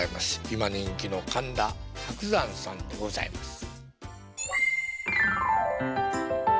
今人気の神田伯山さんでございます。